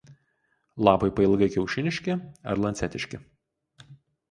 Lapai pailgai kiaušiniški ar lancetiški.